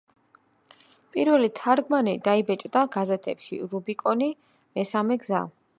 პირველი თარგმანები დაიბეჭდა გაზეთებში „რუბიკონი“, „მესამე გზა“.